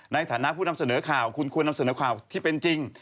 ในฐานะผู้นำเสนอข่าวคุณควรนำเสนอข่าวที่เป็นจริง